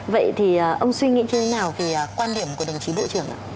vậy thì ông suy nghĩ như thế nào về quan điểm của đồng chí bộ trưởng ạ